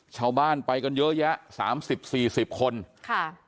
ชาวบ้านไปกันเยอะแยะสามสิบสี่สิบคนค่ะ